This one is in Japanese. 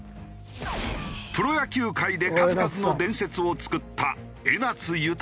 プロ野球界で数々の伝説を作った江夏豊だ。